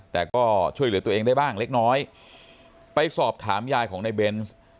แต่ก็ช่วยเหลือตัวเองได้บ้างเล็กน้อยไปสอบถามยายของในเบนส์